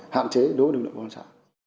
hạn chế đối với lực lượng công an xã